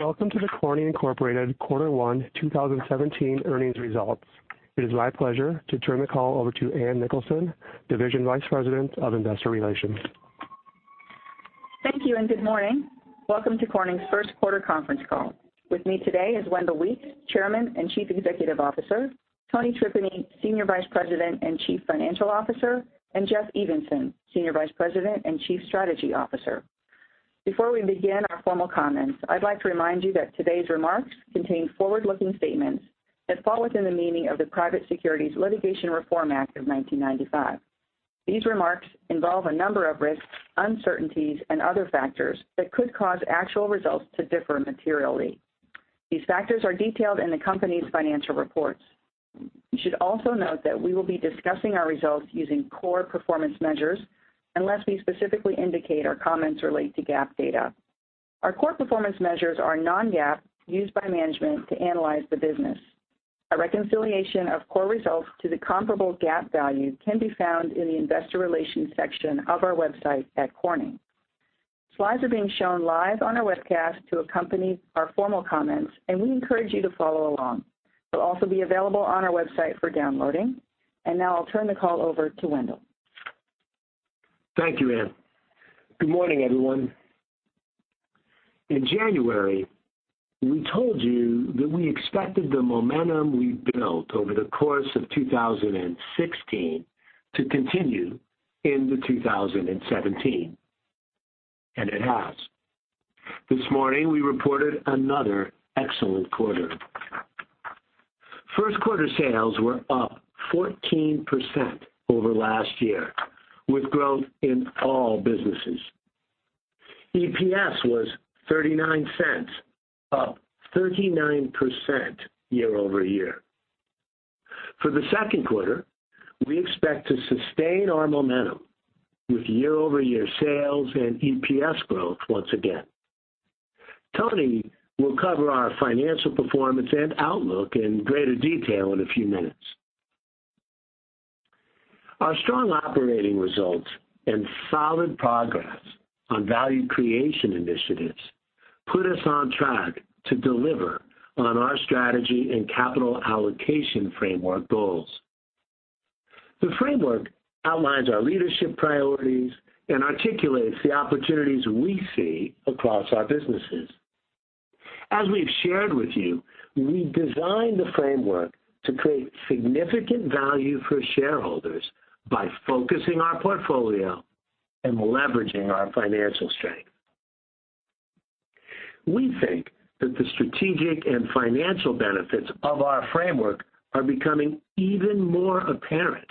Welcome to the Corning Incorporated Quarter 1 2017 earnings results. It is my pleasure to turn the call over to Ann Nicholson, Division Vice President of Investor Relations. Thank you. Good morning. Welcome to Corning's first quarter conference call. With me today is Wendell Weeks, Chairman and Chief Executive Officer, Tony Tripeny, Senior Vice President and Chief Financial Officer, and Jeff Evenson, Senior Vice President and Chief Strategy Officer. Before we begin our formal comments, I'd like to remind you that today's remarks contain forward-looking statements that fall within the meaning of the Private Securities Litigation Reform Act of 1995. These remarks involve a number of risks, uncertainties, and other factors that could cause actual results to differ materially. These factors are detailed in the company's financial reports. You should also note that we will be discussing our results using core performance measures, unless we specifically indicate our comments relate to GAAP data. Our core performance measures are non-GAAP, used by management to analyze the business. A reconciliation of core results to the comparable GAAP value can be found in the investor relations section of our website at Corning. Slides are being shown live on our webcast to accompany our formal comments. We encourage you to follow along. They'll also be available on our website for downloading. Now I'll turn the call over to Wendell. Thank you, Ann. Good morning, everyone. In January, we told you that we expected the momentum we built over the course of 2016 to continue into 2017. It has. This morning, we reported another excellent quarter. First quarter sales were up 14% over last year, with growth in all businesses. EPS was $0.39, up 39% year-over-year. For the second quarter, we expect to sustain our momentum, with year-over-year sales and EPS growth once again. Tony will cover our financial performance and outlook in greater detail in a few minutes. Our strong operating results and solid progress on value creation initiatives put us on track to deliver on our strategy and capital allocation framework goals. The framework outlines our leadership priorities and articulates the opportunities we see across our businesses. As we've shared with you, we designed the framework to create significant value for shareholders by focusing our portfolio and leveraging our financial strength. We think that the strategic and financial benefits of our framework are becoming even more apparent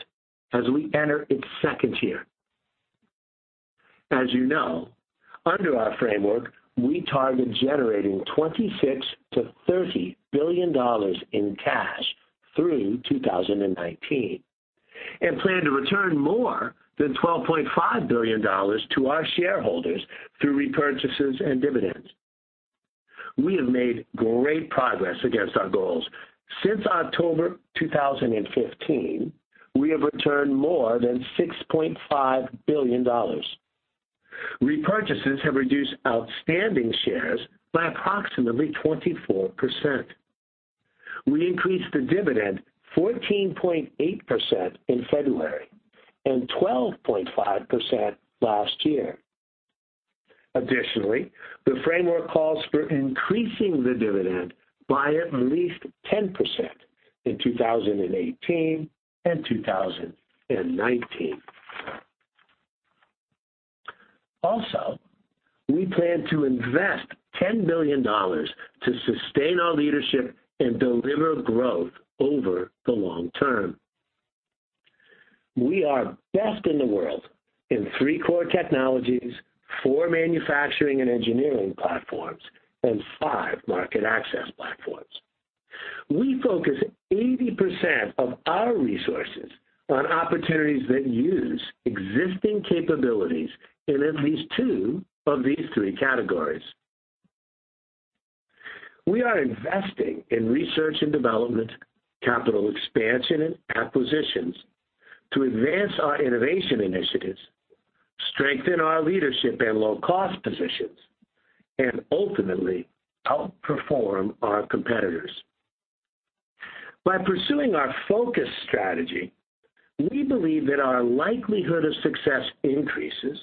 as we enter its second year. As you know, under our framework, we target generating $26 billion-$30 billion in cash through 2019, and plan to return more than $12.5 billion to our shareholders through repurchases and dividends. We have made great progress against our goals. Since October 2015, we have returned more than $6.5 billion. Repurchases have reduced outstanding shares by approximately 24%. We increased the dividend 14.8% in February and 12.5% last year. Additionally, the framework calls for increasing the dividend by at least 10% in 2018 and 2019. We plan to invest $10 billion to sustain our leadership and deliver growth over the long term. We are best in the world in three core technologies, four manufacturing and engineering platforms, and five market access platforms. We focus 80% of our resources on opportunities that use existing capabilities in at least two of these three categories. We are investing in research and development, capital expansion, and acquisitions to advance our innovation initiatives, strengthen our leadership and low-cost positions, and ultimately outperform our competitors. By pursuing our focus strategy, we believe that our likelihood of success increases,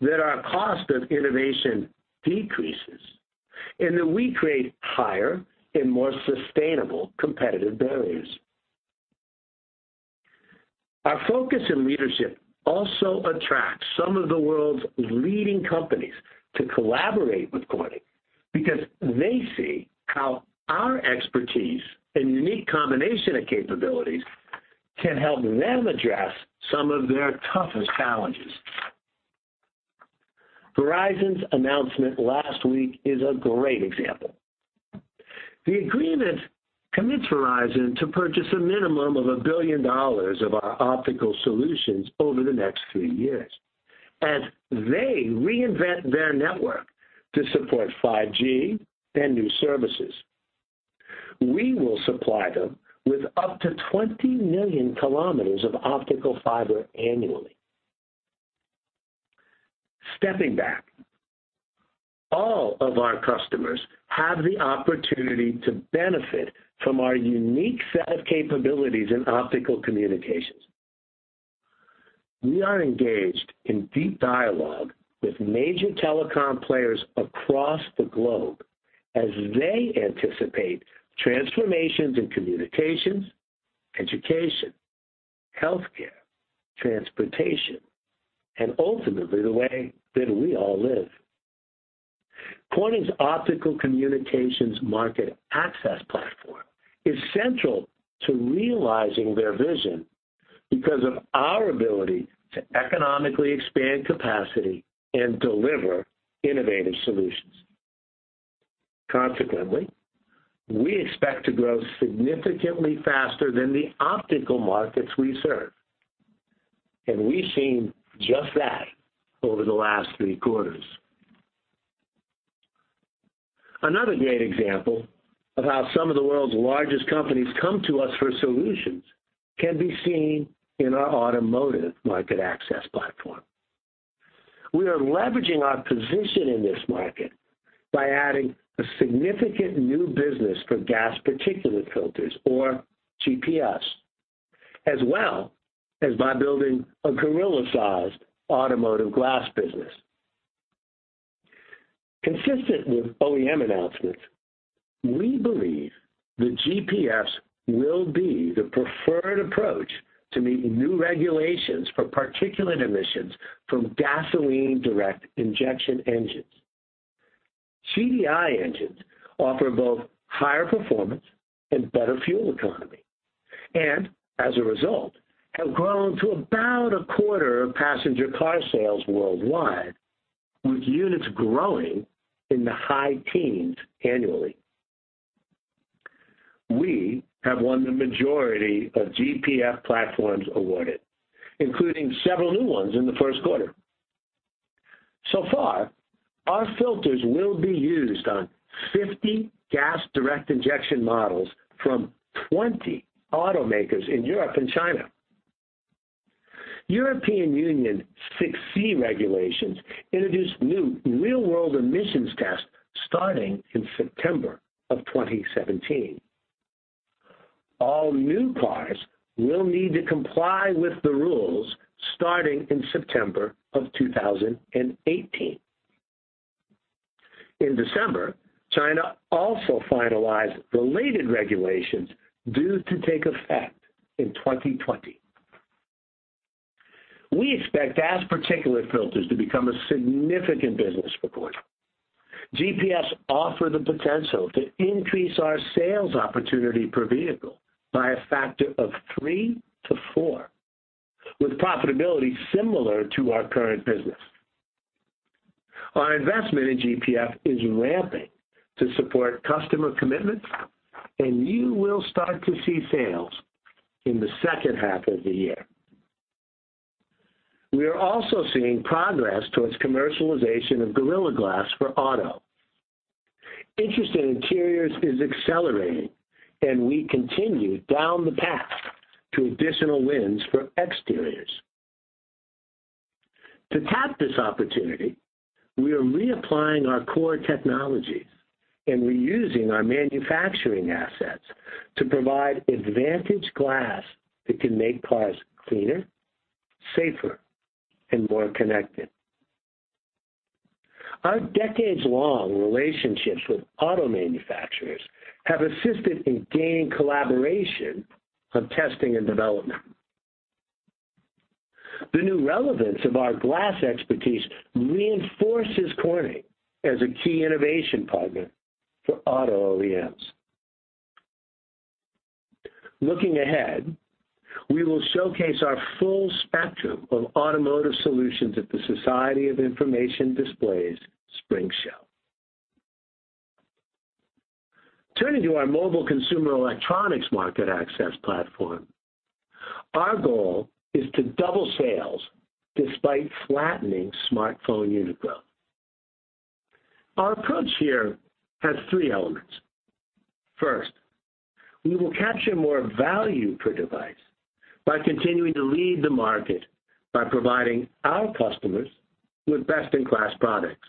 that our cost of innovation decreases, and that we create higher and more sustainable competitive barriers. Our focus in leadership also attracts some of the world's leading companies to collaborate with Corning because they see how our expertise and unique combination of capabilities can help them address some of their toughest challenges. Verizon's announcement last week is a great example. The agreement commits Verizon to purchase a minimum of $1 billion of our optical solutions over the next three years. As they reinvent their network to support 5G and new services, we will supply them with up to 20 million kilometers of optical fiber annually. Stepping back, all of our customers have the opportunity to benefit from our unique set of capabilities in optical communications. We are engaged in deep dialogue with major telecom players across the globe as they anticipate transformations in communications, education, healthcare, transportation, and ultimately, the way that we all live. Corning's optical communications market access platform is central to realizing their vision because of our ability to economically expand capacity and deliver innovative solutions. We expect to grow significantly faster than the optical markets we serve, and we've seen just that over the last three quarters. Another great example of how some of the world's largest companies come to us for solutions can be seen in our automotive market access platform. We are leveraging our position in this market by adding a significant new business for gas particulate filters, or GPFs, as well as by building a Gorilla-sized automotive glass business. Consistent with OEM announcements, we believe the GPFs will be the preferred approach to meet new regulations for particulate emissions from gasoline direct injection engines. GDI engines offer both higher performance and better fuel economy, and as a result, have grown to about a quarter of passenger car sales worldwide, with units growing in the high teens annually. We have won the majority of GPF platforms awarded, including several new ones in the first quarter. Our filters will be used on 50 gas direct injection models from 20 automakers in Europe and China. European Union Euro 6c regulations introduce new real-world emissions tests starting in September 2017. All new cars will need to comply with the rules starting in September 2018. In December, China also finalized related regulations due to take effect in 2020. We expect gas particulate filters to become a significant business for Corning. GPFs offer the potential to increase our sales opportunity per vehicle by a factor of three to four, with profitability similar to our current business. Our investment in GPF is ramping to support customer commitments. You will start to see sales in the second half of the year. We are also seeing progress towards commercialization of Gorilla Glass for auto. Interest in interiors is accelerating. We continue down the path to additional wins for exteriors. To tap this opportunity, we are reapplying our core technologies and reusing our manufacturing assets to provide advantage glass that can make cars cleaner, safer, and more connected. Our decades-long relationships with auto manufacturers have assisted in gaining collaboration on testing and development. The new relevance of our glass expertise reinforces Corning as a key innovation partner for auto OEMs. Looking ahead, we will showcase our full spectrum of automotive solutions at the Society for Information Display's Spring Show. Turning to our mobile consumer electronics market access platform, our goal is to double sales despite flattening smartphone unit growth. Our approach here has 3 elements. First, we will capture more value per device by continuing to lead the market by providing our customers with best-in-class products.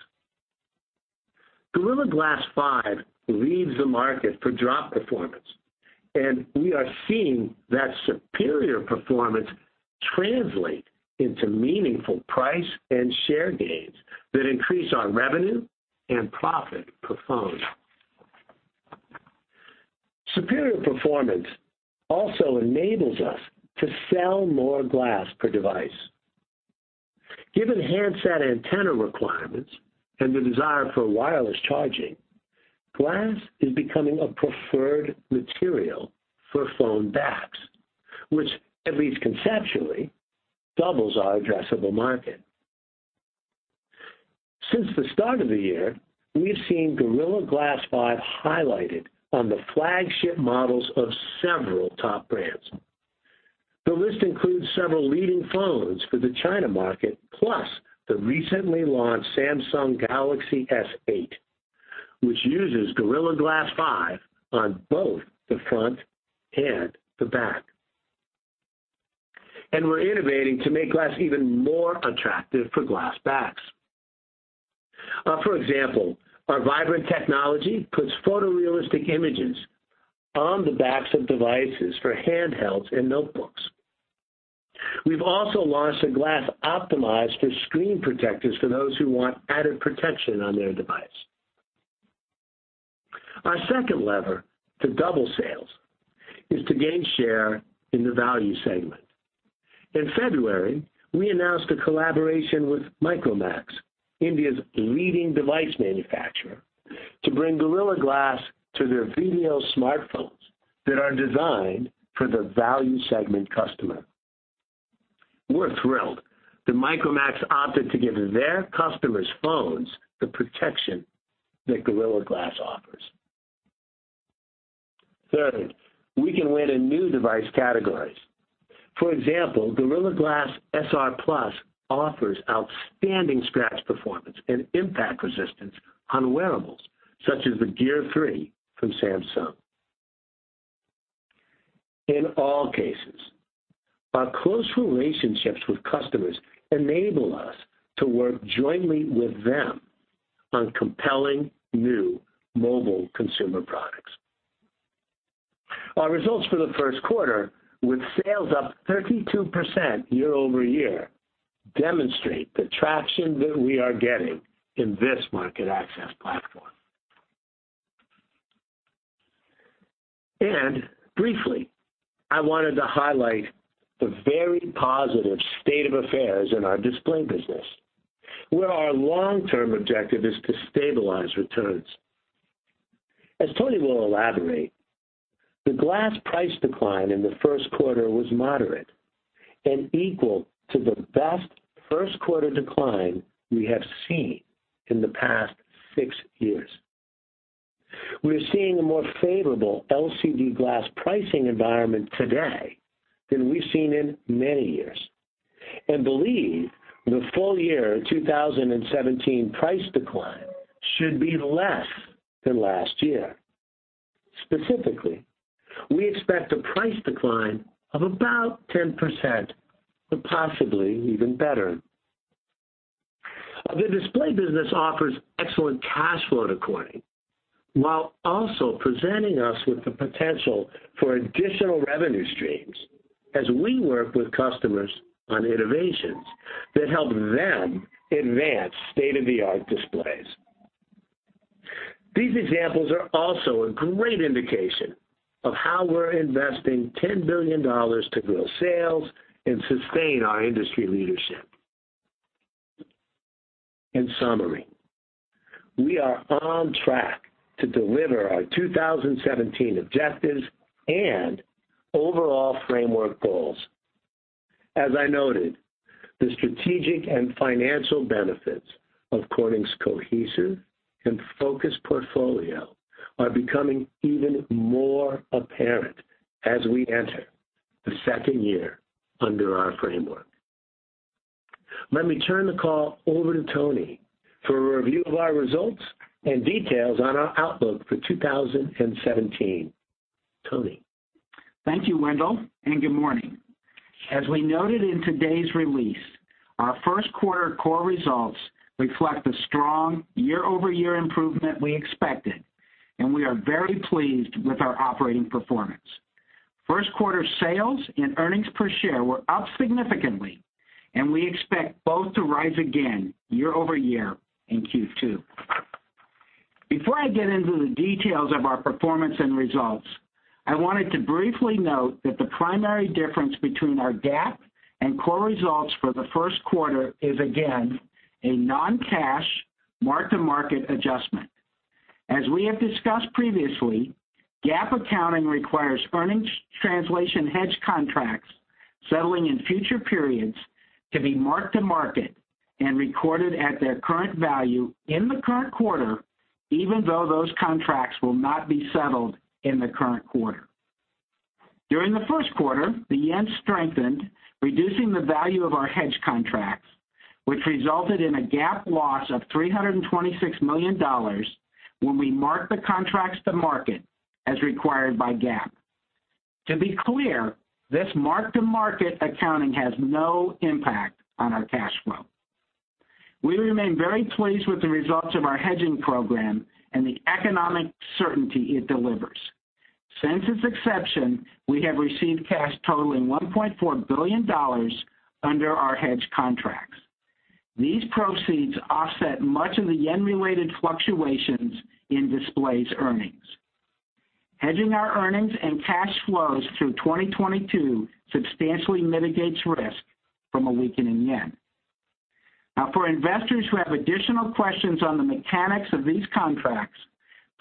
Gorilla Glass 5 leads the market for drop performance. We are seeing that superior performance translate into meaningful price and share gains that increase our revenue and profit per phone. Superior performance also enables us to sell more glass per device. Given handset antenna requirements and the desire for wireless charging, glass is becoming a preferred material for phone backs, which at least conceptually, doubles our addressable market. Since the start of the year, we've seen Gorilla Glass 5 highlighted on the flagship models of several top brands. The list includes several leading phones for the China market, plus the recently launched Samsung Galaxy S8, which uses Gorilla Glass 5 on both the front and the back. We're innovating to make glass even more attractive for glass backs. For example, our Vibrant technology puts photorealistic images on the backs of devices for handhelds and notebooks. We've also launched a glass optimized for screen protectors for those who want added protection on their device. Our second lever to double sales is to gain share in the value segment. In February, we announced a collaboration with Micromax, India's leading device manufacturer, to bring Gorilla Glass to their Bharat smartphones that are designed for the value segment customer. We're thrilled that Micromax opted to give their customers' phones the protection that Gorilla Glass offers. Third, we can win in new device categories. For example, Gorilla Glass SR+ offers outstanding scratch performance and impact resistance on wearables such as the Gear S3 from Samsung. In all cases, our close relationships with customers enable us to work jointly with them on compelling new mobile consumer products. Our results for the first quarter, with sales up 32% year-over-year, demonstrate the traction that we are getting in this market access platform. Briefly, I wanted to highlight the very positive state of affairs in our display business, where our long-term objective is to stabilize returns. As Tony will elaborate, the glass price decline in the first quarter was moderate and equal to the best first-quarter decline we have seen in the past 6 years. We are seeing a more favorable LCD glass pricing environment today than we have seen in many years and believe the full-year 2017 price decline should be less than last year. Specifically, we expect a price decline of about 10%, but possibly even better. The display business offers excellent cash flow to Corning, while also presenting us with the potential for additional revenue streams as we work with customers on innovations that help them advance state-of-the-art displays. These examples are also a great indication of how we are investing $10 billion to grow sales and sustain our industry leadership. In summary, we are on track to deliver our 2017 objectives and overall framework goals. As I noted, the strategic and financial benefits of Corning's cohesive and focused portfolio are becoming even more apparent as we enter the second year under our framework. Let me turn the call over to Tony for a review of our results and details on our outlook for 2017. Tony? Thank you, Wendell, good morning. As we noted in today's release, our first quarter core results reflect the strong year-over-year improvement we expected, and we are very pleased with our operating performance. First quarter sales and earnings per share were up significantly, and we expect both to rise again year-over-year in Q2. Before I get into the details of our performance and results, I wanted to briefly note that the primary difference between our GAAP and core results for the first quarter is again a non-cash, mark-to-market adjustment. As we have discussed previously, GAAP accounting requires earnings translation hedge contracts settling in future periods to be marked to market and recorded at their current value in the current quarter, even though those contracts will not be settled in the current quarter. During the first quarter, the yen strengthened, reducing the value of our hedge contracts, which resulted in a GAAP loss of $326 million when we marked the contracts to market as required by GAAP. To be clear, this mark-to-market accounting has no impact on our cash flow. We remain very pleased with the results of our hedging program and the economic certainty it delivers. Since its inception, we have received cash totaling $1.4 billion under our hedge contracts. These proceeds offset much of the yen-related fluctuations in display's earnings. Hedging our earnings and cash flows through 2022 substantially mitigates risk from a weakening yen. For investors who have additional questions on the mechanics of these contracts,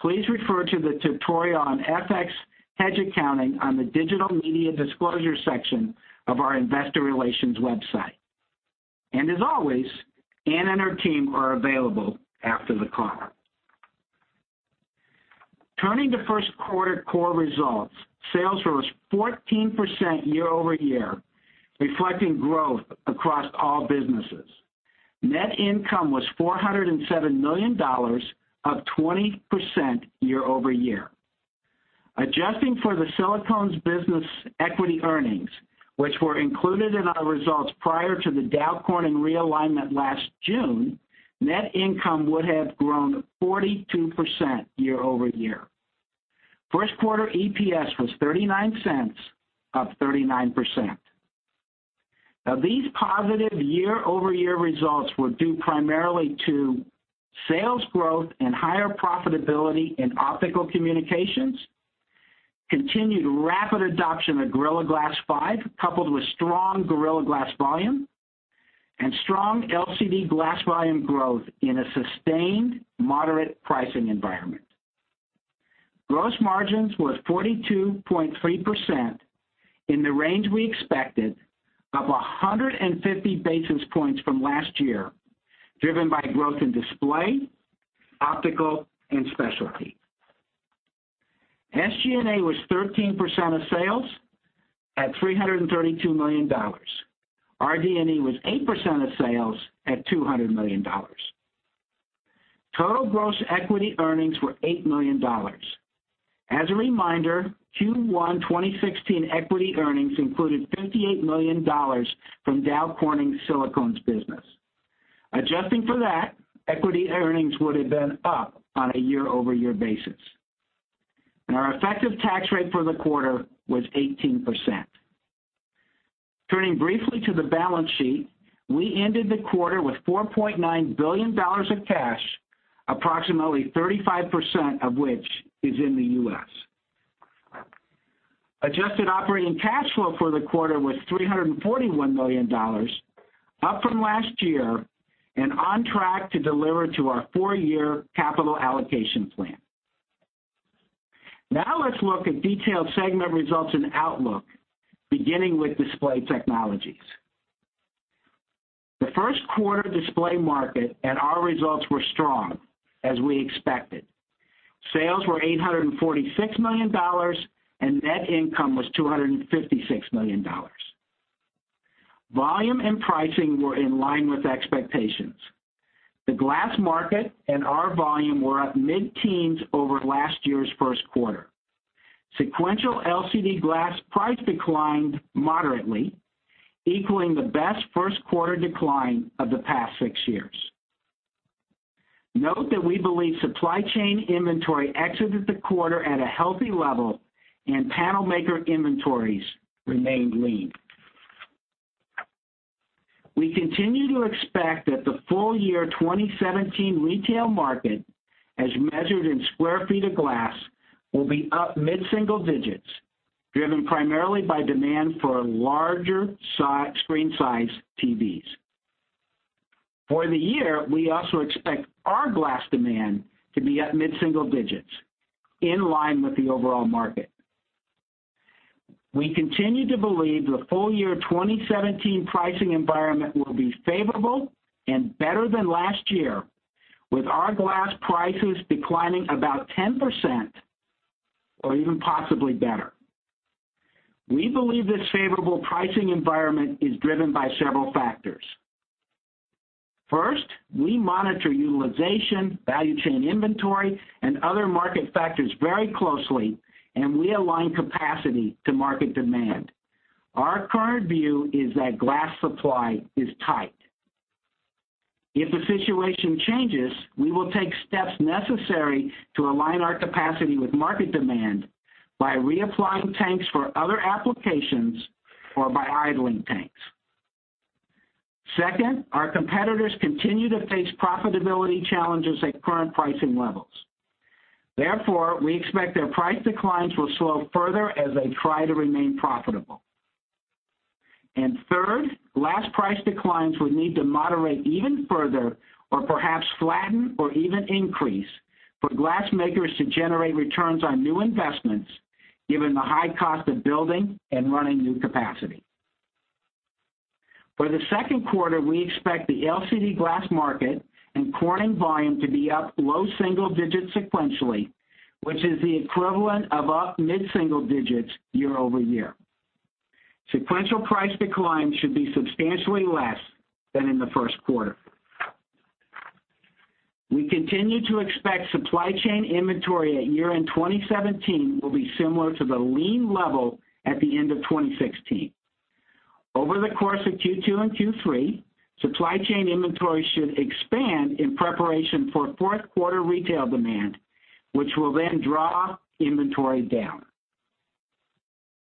please refer to the tutorial on FX hedge accounting on the digital media disclosure section of our investor relations website. As always, Ann and her team are available after the call. Turning to first quarter core results, sales rose 14% year-over-year, reflecting growth across all businesses. Net income was $407 million, up 20% year-over-year. Adjusting for the Silicones business equity earnings, which were included in our results prior to the Dow Corning realignment last June, net income would have grown 42% year-over-year. First quarter EPS was $0.39, up 39%. These positive year-over-year results were due primarily to sales growth and higher profitability in Optical Communications, continued rapid adoption of Gorilla Glass 5, coupled with strong Gorilla Glass volume, and strong LCD glass volume growth in a sustained moderate pricing environment. Gross margins was 42.3%, in the range we expected, up 150 basis points from last year, driven by growth in Display, Optical, and Specialty. SG&A was 13% of sales at $332 million. RD&E was 8% of sales at $200 million. Total gross equity earnings were $8 million. As a reminder, Q1 2016 equity earnings included $58 million from Dow Corning Silicones business. Adjusting for that, equity earnings would have been up on a year-over-year basis. Our effective tax rate for the quarter was 18%. Turning briefly to the balance sheet, we ended the quarter with $4.9 billion of cash, approximately 35% of which is in the U.S. Adjusted operating cash flow for the quarter was $341 million, up from last year, and on track to deliver to our four-year capital allocation plan. Let's look at detailed segment results and outlook, beginning with Display Technologies. The first quarter display market and our results were strong, as we expected. Sales were $846 million, and net income was $256 million. Volume and pricing were in line with expectations. The glass market and our volume were up mid-teens over last year's first quarter. Sequential LCD glass price declined moderately, equaling the best first quarter decline of the past six years. Note that we believe supply chain inventory exited the quarter at a healthy level, and panel maker inventories remained lean. We continue to expect that the full year 2017 retail market, as measured in sq ft of glass, will be up mid-single digits, driven primarily by demand for larger screen size TVs. For the year, we also expect our glass demand to be at mid-single digits, in line with the overall market. We continue to believe the full year 2017 pricing environment will be favorable and better than last year, with our glass prices declining about 10% or even possibly better. We believe this favorable pricing environment is driven by several factors. First, we monitor utilization, value chain inventory, and other market factors very closely, and we align capacity to market demand. Our current view is that glass supply is tight. If the situation changes, we will take steps necessary to align our capacity with market demand by reapplying tanks for other applications or by idling tanks. Second, our competitors continue to face profitability challenges at current pricing levels. Therefore, we expect their price declines will slow further as they try to remain profitable. Third, glass price declines would need to moderate even further or perhaps flatten or even increase for glass makers to generate returns on new investments, given the high cost of building and running new capacity. For the second quarter, we expect the LCD glass market and Corning volume to be up low single digits sequentially, which is the equivalent of up mid-single digits year-over-year. Sequential price decline should be substantially less than in the first quarter. We continue to expect supply chain inventory at year-end 2017 will be similar to the lean level at the end of 2016. Over the course of Q2 and Q3, supply chain inventory should expand in preparation for fourth quarter retail demand, which will then draw inventory down.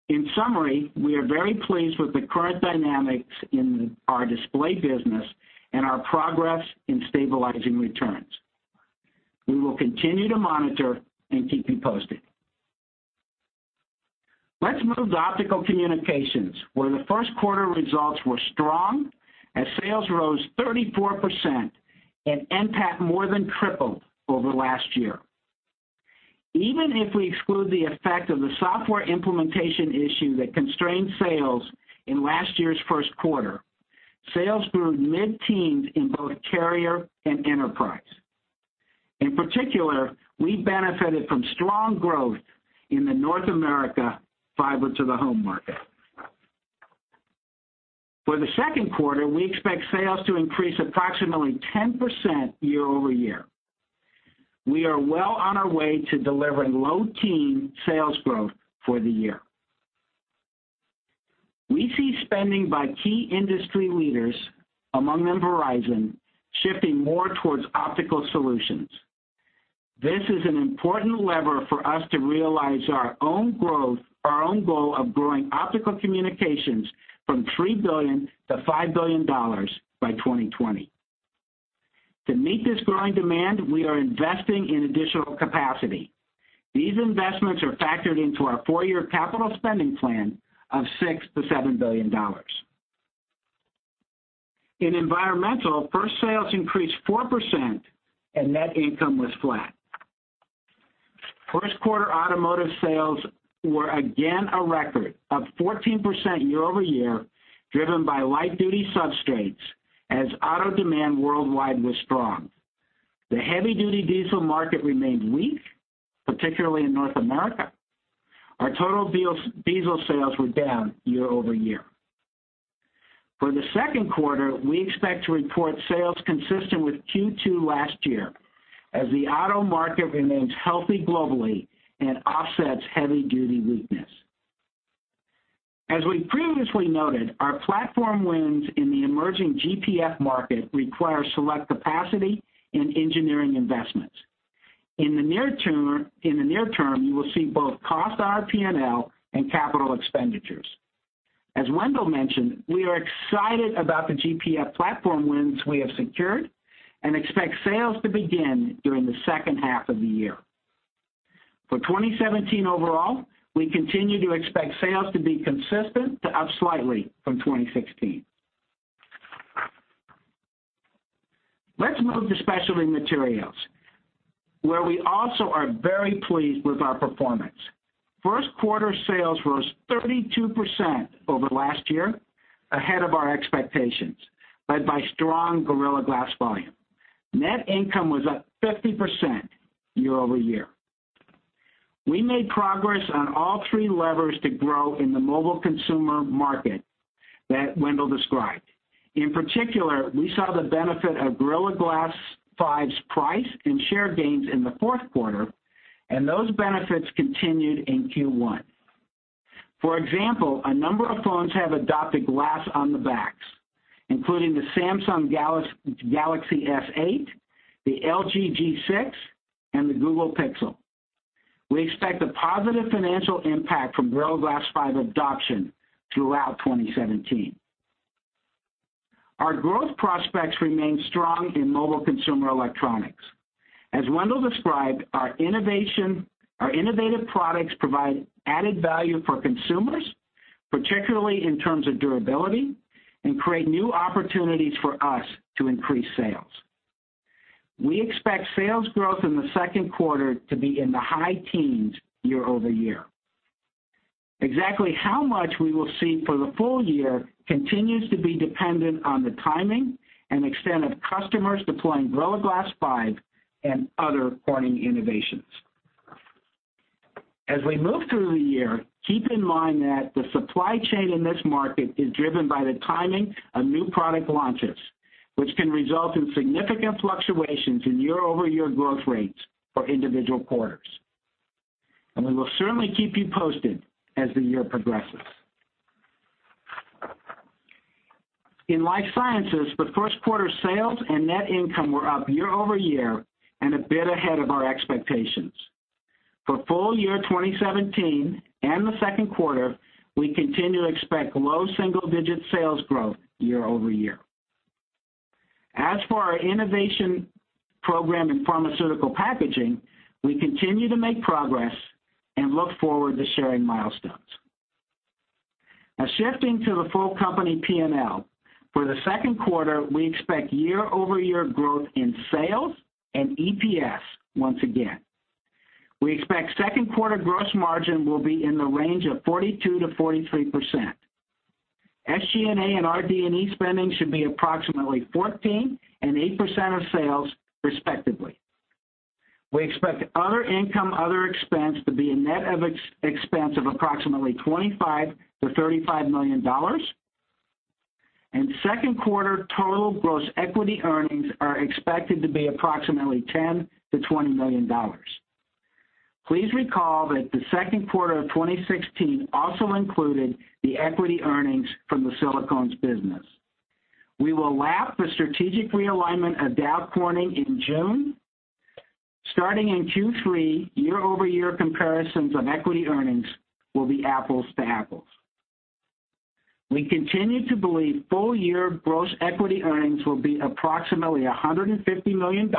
In summary, we are very pleased with the current dynamics in our display business and our progress in stabilizing returns. We will continue to monitor and keep you posted. Let's move to Optical Communications, where the first quarter results were strong as sales rose 34% and NPAT more than tripled over last year. Even if we exclude the effect of the software implementation issue that constrained sales in last year's first quarter, sales grew mid-teens in both carrier and enterprise. In particular, we benefited from strong growth in the North America fiber to the home market. For the second quarter, we expect sales to increase approximately 10% year-over-year. We are well on our way to delivering low teen sales growth for the year. We see spending by key industry leaders, among them Verizon, shifting more towards optical solutions. This is an important lever for us to realize our own goal of growing Optical Communications from $3 billion-$5 billion by 2020. To meet this growing demand, we are investing in additional capacity. These investments are factored into our four-year capital spending plan of $6 billion-$7 billion. In Environmental, first sales increased 4% and net income was flat. First quarter automotive sales were again a record, up 14% year-over-year, driven by light-duty substrates as auto demand worldwide was strong. The heavy-duty diesel market remained weak, particularly in North America. Our total diesel sales were down year-over-year. For the second quarter, we expect to report sales consistent with Q2 last year, as the auto market remains healthy globally and offsets heavy duty weakness. As we previously noted, our platform wins in the emerging GPF market require select capacity and engineering investments. In the near term, you will see both cost to our P&L and capital expenditures. As Wendell mentioned, we are excited about the GPF platform wins we have secured and expect sales to begin during the second half of the year. For 2017 overall, we continue to expect sales to be consistent to up slightly from 2016. Let's move to Specialty Materials, where we also are very pleased with our performance. First quarter sales rose 32% over last year, ahead of our expectations, led by strong Gorilla Glass volume. Net income was up 50% year-over-year. We made progress on all three levers to grow in the mobile consumer market that Wendell described. In particular, we saw the benefit of Gorilla Glass 5's price and share gains in the fourth quarter, and those benefits continued in Q1. For example, a number of phones have adopted glass on the backs, including the Samsung Galaxy S8, the LG G6, and the Google Pixel. We expect a positive financial impact from Gorilla Glass 5 adoption throughout 2017. Our growth prospects remain strong in mobile consumer electronics. As Wendell described, our innovative products provide added value for consumers, particularly in terms of durability, and create new opportunities for us to increase sales. We expect sales growth in the second quarter to be in the high teens year-over-year. Exactly how much we will see for the full year continues to be dependent on the timing and extent of customers deploying Gorilla Glass 5 and other Corning innovations. As we move through the year, keep in mind that the supply chain in this market is driven by the timing of new product launches, which can result in significant fluctuations in year-over-year growth rates for individual quarters. We will certainly keep you posted as the year progresses. In life sciences, the first quarter sales and net income were up year-over-year and a bit ahead of our expectations. For full year 2017 and the second quarter, we continue to expect low single-digit sales growth year-over-year. As for our innovation program in pharmaceutical packaging, we continue to make progress and look forward to sharing milestones. Now shifting to the full company P&L. For the second quarter, we expect year-over-year growth in sales and EPS once again. We expect second quarter gross margin will be in the range of 42%-43%. SG&A and RD&E spending should be approximately 14% and 8% of sales, respectively. We expect other income/other expense to be a net expense of approximately $25 million-$35 million. Second quarter total gross equity earnings are expected to be approximately $10 million-$20 million. Please recall that the second quarter of 2016 also included the equity earnings from the Silicones business. We will lap the strategic realignment of Dow Corning in June. Starting in Q3, year-over-year comparisons of equity earnings will be apples to apples. We continue to believe full-year gross equity earnings will be approximately $150 million,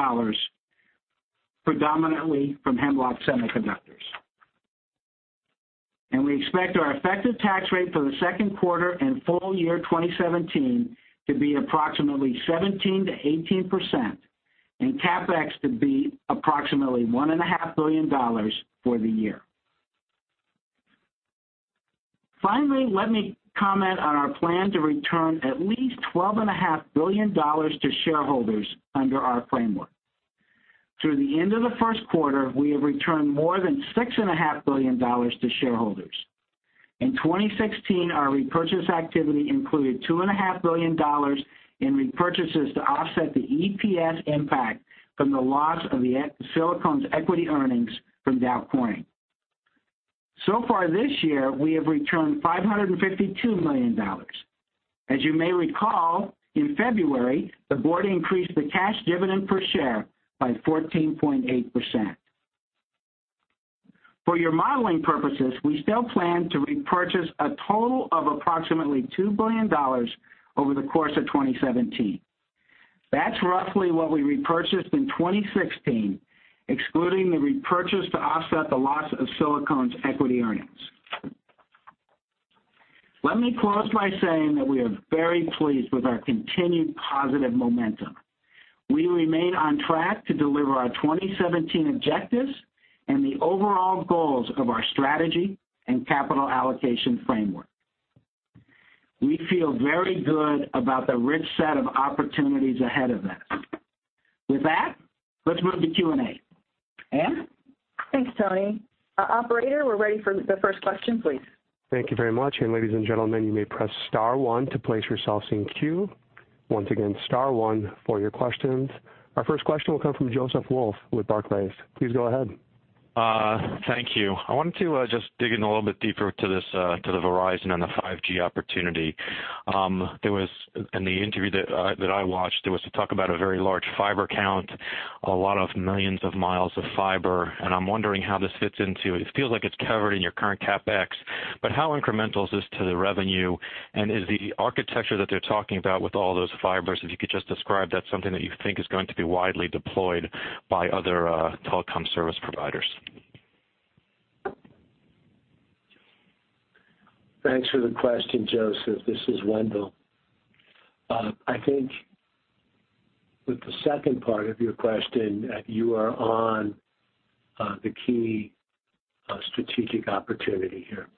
predominantly from Hemlock Semiconductor. We expect our effective tax rate for the second quarter and full year 2017 to be approximately 17%-18%, and CapEx to be approximately $1.5 billion for the year. Finally, let me comment on our plan to return at least $12.5 billion to shareholders under our framework. Through the end of the first quarter, we have returned more than $6.5 billion to shareholders. In 2016, our repurchase activity included $2.5 billion in repurchases to offset the EPS impact from the loss of the Silicones equity earnings from Dow Corning. So far this year, we have returned $552 million. As you may recall, in February, the board increased the cash dividend per share by 14.8%. For your modeling purposes, we still plan to repurchase a total of approximately $2 billion over the course of 2017. That's roughly what we repurchased in 2016, excluding the repurchase to offset the loss of Silicones equity earnings. Let me close by saying that we are very pleased with our continued positive momentum. We remain on track to deliver our 2017 objectives and the overall goals of our strategy and capital allocation framework. We feel very good about the rich set of opportunities ahead of us. With that, let's move to Q&A. Ann? Thanks, Tony. Operator, we're ready for the first question, please. Thank you very much. Ladies and gentlemen, you may press star one to place yourselves in queue. Once again, star one for your questions. Our first question will come from Joseph Wolf with Barclays. Please go ahead. Thank you. I wanted to just dig in a little bit deeper to the Verizon and the 5G opportunity. In the interview that I watched, there was talk about a very large fiber count, a lot of millions of miles of fiber, and I'm wondering how this fits into it. It feels like it's covered in your current CapEx, but how incremental is this to the revenue, and is the architecture that they're talking about with all those fibers, if you could just describe that, something that you think is going to be widely deployed by other telecom service providers? Thanks for the question, Joseph. This is Wendell. I think with the second part of your question, you are on the key strategic opportunity here.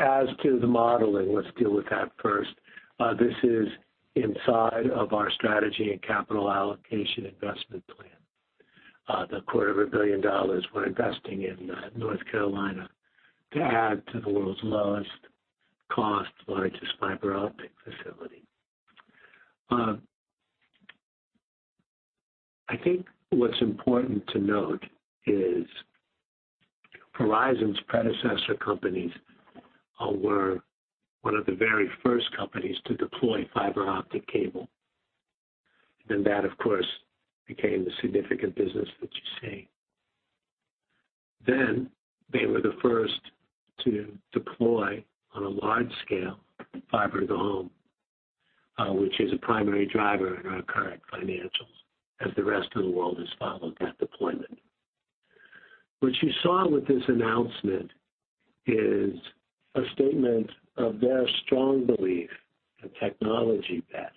As to the modeling, let's deal with that first. This is inside of our strategy and capital allocation investment plan, the quarter of a billion dollars we're investing in North Carolina to add to the world's lowest cost, largest fiber optic facility. That, of course, became the significant business that you see. They were the first to deploy on a large scale, fiber to the home, which is a primary driver in our current financials as the rest of the world has followed that deployment. What you saw with this announcement is a statement of their strong belief, a technology bet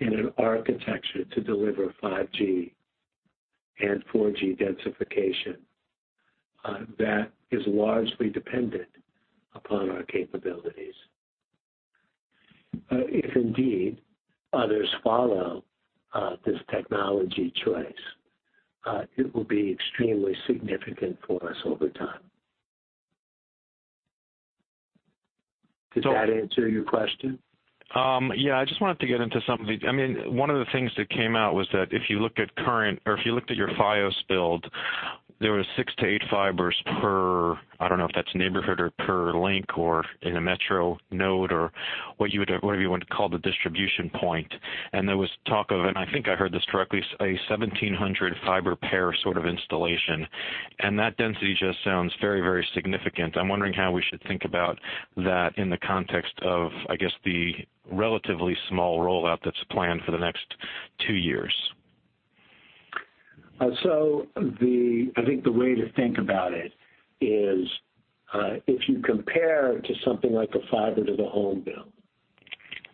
in an architecture to deliver 5G and 4G densification that is largely dependent upon our capabilities. If indeed others follow this technology choice, it will be extremely significant for us over time. Did that answer your question? Yeah. I just wanted to get into some of the One of the things that came out was that if you looked at your Fios build, there were six to eight fibers per, I don't know if that's neighborhood or per link or in a metro node or whatever you want to call the distribution point. There was talk of, and I think I heard this correctly, a 1,700 fiber pair sort of installation. That density just sounds very, very significant. I'm wondering how we should think about that in the context of, I guess, the relatively small rollout that's planned for the next two years. I think the way to think about it is if you compare to something like a fiber to the home build,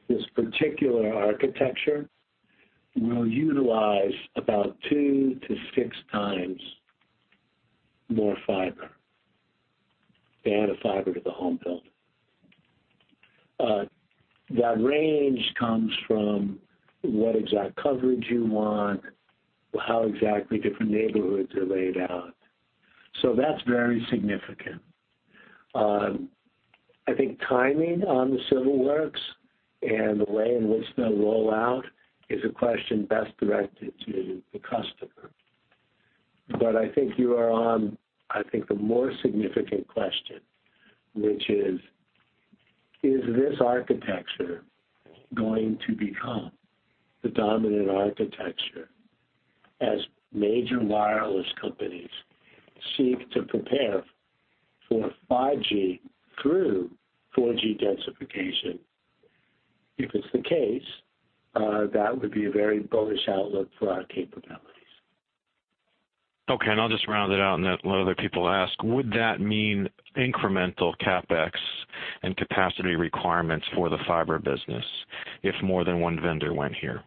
this particular architecture will utilize about two to six times more fiber than a fiber to the home build. That range comes from what exact coverage you want, how exactly different neighborhoods are laid out. That's very significant. I think timing on the civil works and the way in which they'll roll out is a question best directed to the customer. I think you are on the more significant question, which is: is this architecture going to become the dominant architecture as major wireless companies seek to prepare for 5G through 4G densification? If it's the case, that would be a very bullish outlook for our capabilities. Okay. I'll just round it out and let other people ask. Would that mean incremental CapEx and capacity requirements for the fiber business if more than one vendor went here?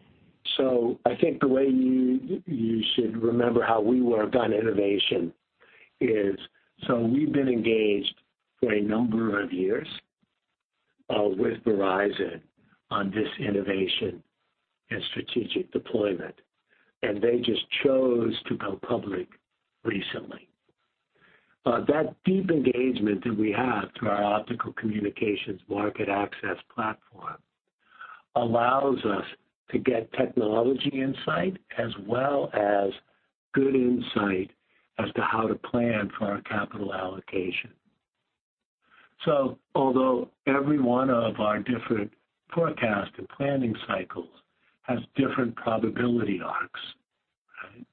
I think the way you should remember how we work on innovation is, we've been engaged for a number of years with Verizon on this innovation and strategic deployment, and they just chose to go public recently. That deep engagement that we have through our Optical Communications market access platform allows us to get technology insight as well as good insight as to how to plan for our capital allocation. Although every one of our different forecast and planning cycles has different probability arcs, right.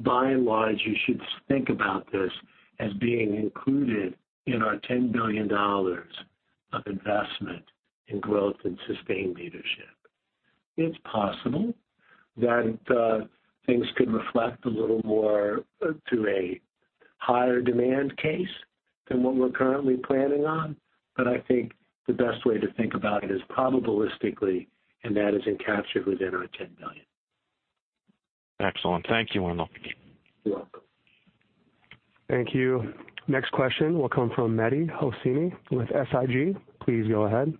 By and large, you should think about this as being included in our $10 billion of investment in growth and sustained leadership. It's possible that things could reflect a little more to a higher demand case than what we're currently planning on. I think the best way to think about it is probabilistically, and that is encaptured within our $10 billion. Excellent. Thank you, Wendell. You're welcome. Thank you. Next question will come from Mehdi Hosseini with SIG. Please go ahead.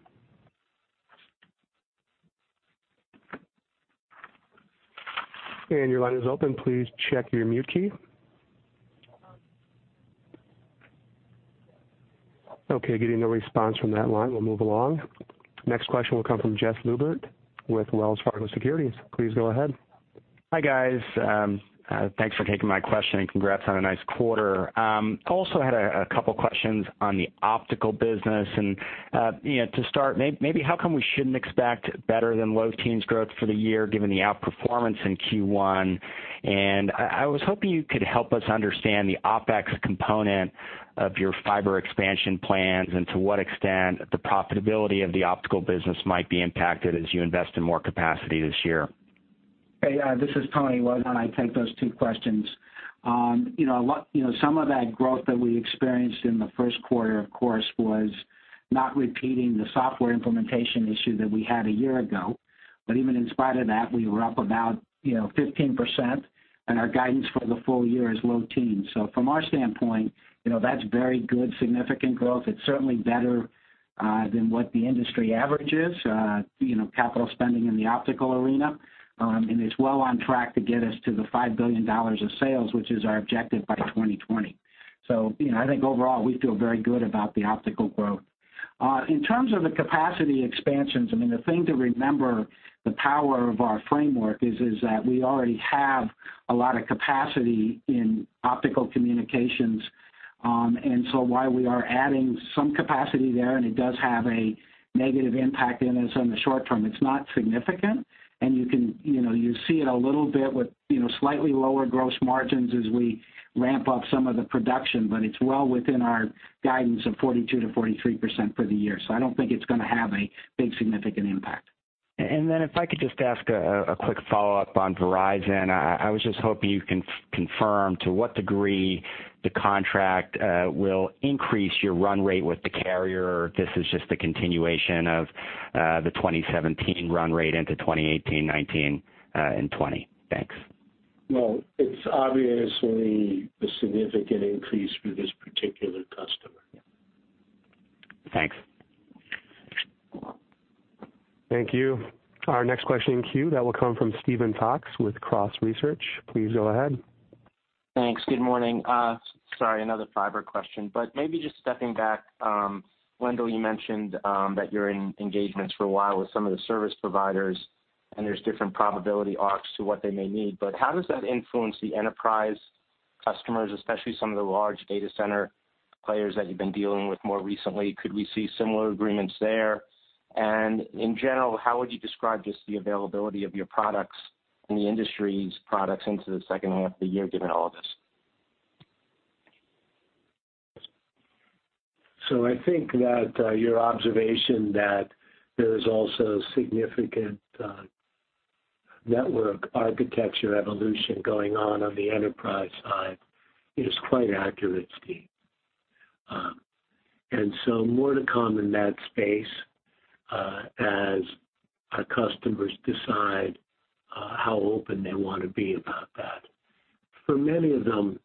Your line is open. Please check your mute key. Okay, getting no response from that line. We'll move along. Next question will come from Jess Lubert with Wells Fargo Securities. Please go ahead. Hi, guys. Thanks for taking my question and congrats on a nice quarter. Also had a couple questions on the optical business. Maybe how come we shouldn't expect better than low teens growth for the year, given the outperformance in Q1? I was hoping you could help us understand the OpEx component of your fiber expansion plans and to what extent the profitability of the optical business might be impacted as you invest in more capacity this year. Hey, this is Tony Tripeny. I take those two questions. Some of that growth that we experienced in the first quarter, of course, was not repeating the software implementation issue that we had a year ago. Even in spite of that, we were up about 15%, and our guidance for the full year is low teens. From our standpoint, that's very good, significant growth. It's certainly better than what the industry average is, capital spending in the optical arena. It's well on track to get us to the $5 billion of sales, which is our objective by 2020. I think overall, we feel very good about the optical growth. In terms of the capacity expansions, I mean, the thing to remember, the power of our framework is that we already have a lot of capacity in Corning Optical Communications. While we are adding some capacity there, and it does have a negative impact in us in the short term, it's not significant. You see it a little bit with slightly lower gross margins as we ramp up some of the production, but it's well within our guidance of 42%-43% for the year. I don't think it's going to have a big, significant impact. If I could just ask a quick follow-up on Verizon. I was just hoping you can confirm to what degree the contract will increase your run rate with the carrier. This is just the continuation of the 2017 run rate into 2018, 2019, and 2020. Thanks. Well, it's obviously a significant increase for this particular customer. Thanks. Thank you. Our next question in queue, that will come from Steven Fox with Cross Research. Please go ahead. Thanks. Good morning. Sorry, another fiber question, but maybe just stepping back. Wendell, you mentioned that you're in engagements for a while with some of the service providers, and there's different probability arcs to what they may need. How does that influence the enterprise customers, especially some of the large data center players that you've been dealing with more recently? Could we see similar agreements there? In general, how would you describe just the availability of your products and the industry's products into the second half of the year, given all of this? I think that your observation that there is also significant network architecture evolution going on the enterprise side is quite accurate, Steve. More to come in that space as our customers decide how open they want to be about that. For many of them,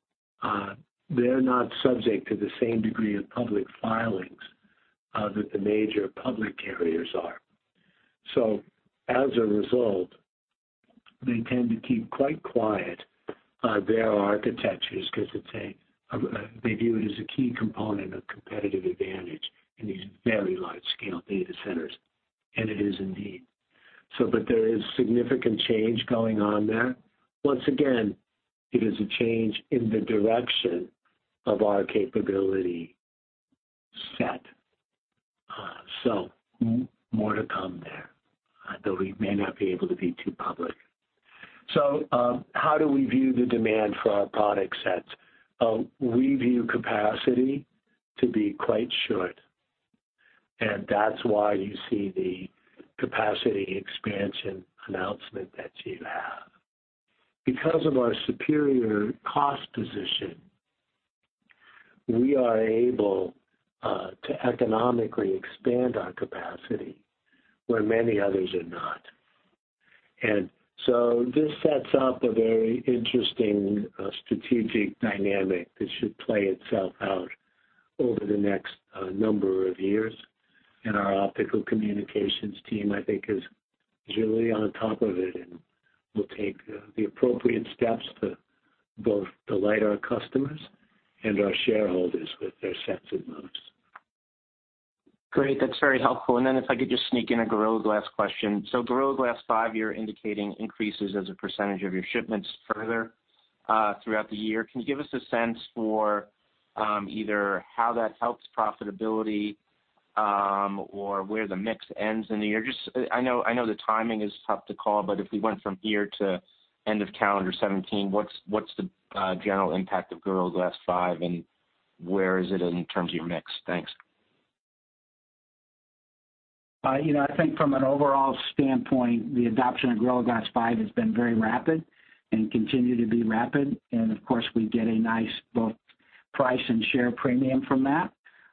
they're not subject to the same degree of public filings that the major public carriers are. As a result, they tend to keep quite quiet their architectures, because they view it as a key component of competitive advantage in these very large-scale data centers, and it is indeed. There is significant change going on there. Once again, it is a change in the direction of our capability set. More to come there, though we may not be able to be too public. How do we view the demand for our product sets? We view capacity to be quite short, that's why you see the capacity expansion announcement that you have. Because of our superior cost position we are able to economically expand our capacity where many others are not. This sets up a very interesting strategic dynamic that should play itself out over the next number of years. Our Optical Communications team, I think, is really on top of it and will take the appropriate steps to both delight our customers and our shareholders with their sense of most. Great. That's very helpful. Then if I could just sneak in a Gorilla Glass question. Gorilla Glass 5, you're indicating increases as a percentage of your shipments further throughout the year. Can you give us a sense for either how that helps profitability, or where the mix ends in the year? Just, I know the timing is tough to call, but if we went from here to end of calendar 2017, what's the general impact of Gorilla Glass 5, and where is it in terms of your mix? Thanks. I think from an overall standpoint, the adoption of Gorilla Glass 5 has been very rapid and continue to be rapid. Of course, we get a nice both price and share premium from that.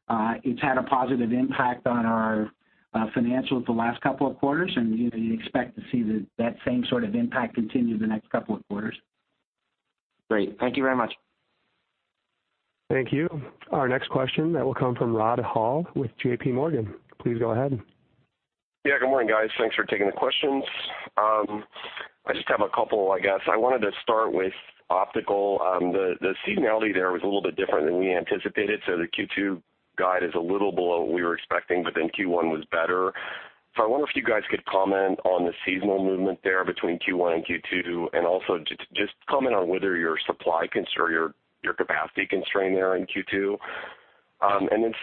It's had a positive impact on our financials the last couple of quarters, you'd expect to see that same sort of impact continue the next couple of quarters. Great. Thank you very much. Thank you. Our next question will come from Rod Hall with J.P. Morgan. Please go ahead. Good morning, guys. Thanks for taking the questions. I just have a couple, I guess. I wanted to start with optical. The seasonality there was a little bit different than we anticipated, the Q2 guide is a little below what we were expecting, Q1 was better. I wonder if you guys could comment on the seasonal movement there between Q1 and Q2, also just comment on whether your supply concern or your capacity constraint there in Q2.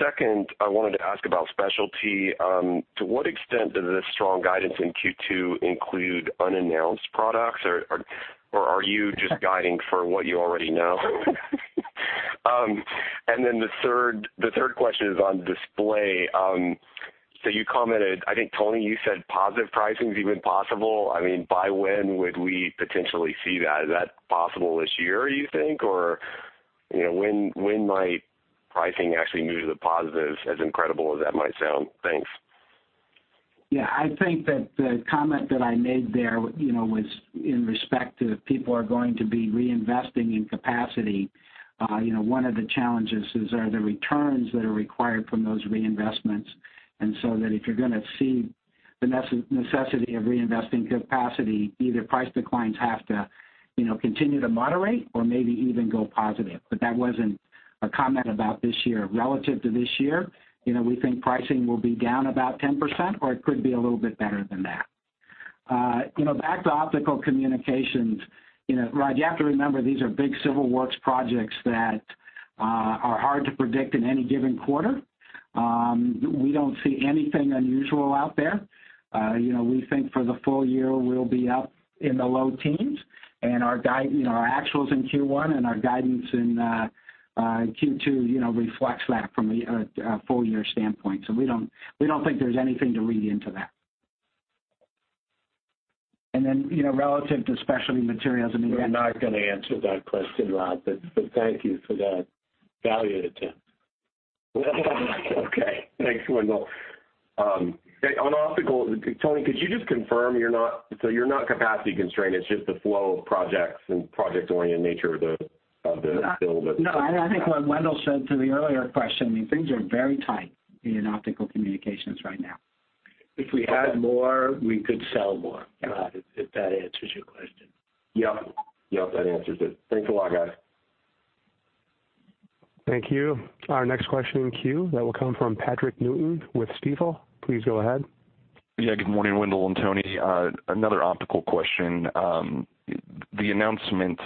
Second, I wanted to ask about specialty. To what extent does this strong guidance in Q2 include unannounced products? Are you just guiding for what you already know? The third question is on display. You commented, I think, Tony, you said positive pricing is even possible. By when would we potentially see that? Is that possible this year, you think, or when might pricing actually move to the positive, as incredible as that might sound? Thanks. I think that the comment that I made there was in respect to if people are going to be reinvesting in capacity. One of the challenges is are the returns that are required from those reinvestments, if you're going to see the necessity of reinvesting capacity, either price declines have to continue to moderate or maybe even go positive. That wasn't a comment about this year. Relative to this year, we think pricing will be down about 10%, or it could be a little bit better than that. Back to optical communications, Rod, you have to remember, these are big civil works projects that are hard to predict in any given quarter. We don't see anything unusual out there. We think for the full year, we'll be up in the low teens, and our actuals in Q1 and our guidance in Q2 reflects that from a full year standpoint. We don't think there's anything to read into that. Relative to Specialty Materials, I mean- We're not going to answer that question, Rod. Thank you for that valued attempt. Okay. Thanks, Wendell. On optical, Tony, could you just confirm, you're not capacity constrained, it's just the flow of projects and project-oriented nature of the build that- No. I think what Wendell said to the earlier question, things are very tight in Corning Optical Communications right now. If we had more, we could sell more, Rod, if that answers your question. Yep. Yep, that answers it. Thanks a lot, guys. Thank you. Our next question in queue will come from Patrick Newton with Stifel. Please go ahead. Yeah, good morning, Wendell and Tony. Another optical question. The announcement